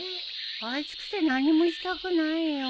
暑くて何もしたくないよ。